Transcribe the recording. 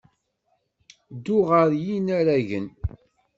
Ddu ɣer yinaragen.